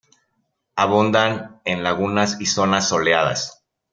Abundan en lagunas y zonas soleadas.